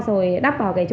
rồi đắp vào cái chỗ